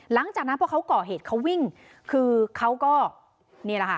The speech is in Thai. หลังจากนั้นพอเขาก่อเหตุเขาวิ่งคือเขาก็นี่แหละค่ะ